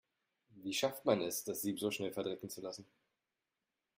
Wie schafft man es, das Sieb so schnell verdrecken zu lassen?